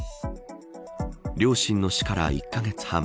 両親の死から１カ月半